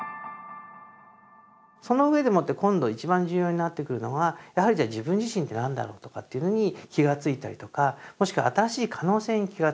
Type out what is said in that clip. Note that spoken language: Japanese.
その上でもって今度一番重要になってくるのはやはりじゃ自分自身って何だろうとかっていうのに気が付いたりとかもしくは新しい可能性に気が付く。